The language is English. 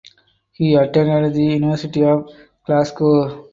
He attended the University of Glasgow.